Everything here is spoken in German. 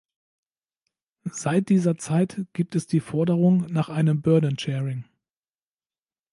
Seit dieser Zeit gibt es die Forderung nach einem burden sharing .